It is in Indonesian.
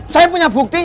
saya punya bukti